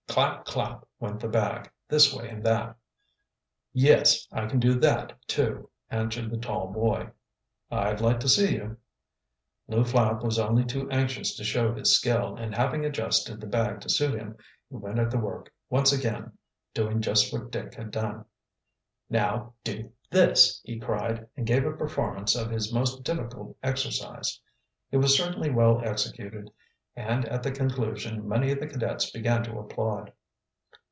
Clap! clap! went the bag, this way and that. "Yes, I can do that, too," answered the tall boy. "I'd like to see you." Lew Flapp was only too anxious to show his skill, and having adjusted the bag to suit him, he went at the work once again, doing just what Dick had done. "Now do this!" he cried, and gave a performance of his most difficult exercise. It was certainly well executed and at the conclusion many of the cadets began to applaud.